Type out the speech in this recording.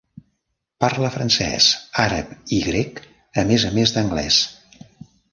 Parla francès, àrab i grec, a més a més d'anglès.